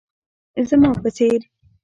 زما په څير